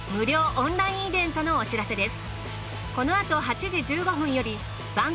オンラインイベントのお知らせです。